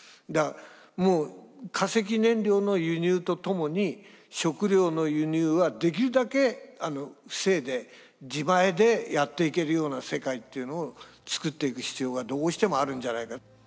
だからもう化石燃料の輸入とともに食料の輸入はできるだけ防いで自前でやっていけるような世界っていうのを作っていく必要がどうしてもあるんじゃないか。